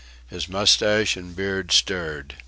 His moustache and beard stirred.